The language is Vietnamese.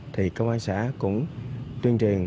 thì công an xã cũng tuyên truyền